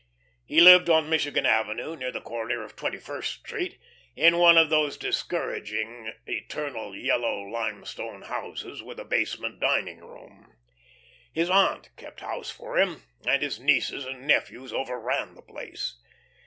He lived on Michigan Avenue, near the corner of Twenty first Street, in one of those discouraging eternal yellow limestone houses with a basement dining room. His aunt kept house for him, and his nieces and nephews overran the place.